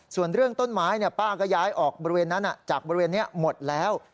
ส่วนเรื่องต้นไม้ป้าก็ย้ายออกบริเวณนั้นจากบริเวณนี้หมดแล้ว